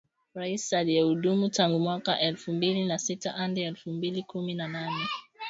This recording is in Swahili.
rais aliyehudumu tangu mwaka elfu mbili na sita hadi elfu mbili kumi na nane